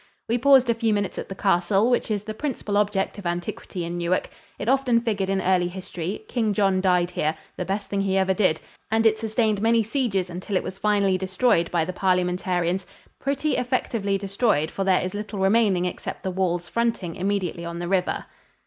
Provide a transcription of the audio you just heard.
We paused a few minutes at the castle, which is the principal object of antiquity in Newark. It often figured in early history; King John died here the best thing he ever did and it sustained many sieges until it was finally destroyed by the Parliamentarians pretty effectively destroyed, for there is little remaining except the walls fronting immediately on the river.